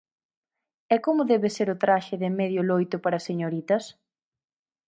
E como debe ser o traxe de medio loito para señoritas?